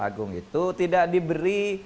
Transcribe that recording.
agung itu tidak diberi